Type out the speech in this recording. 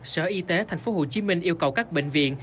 sở y tế tp hcm yêu cầu các bệnh viện